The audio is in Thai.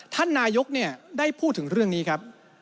ท่านนายกได้พูดถึงเรื่องนี้ครับ